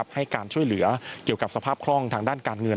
ให้การช่วยเหลือเกี่ยวกับสภาพคล่องทางด้านการเงิน